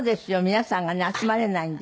皆さんがね集まれないんで。